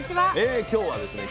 今日はですね